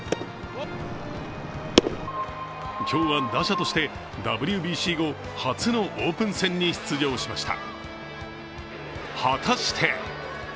今日は打者としてＷＢＣ後初のオープン戦に出場しました。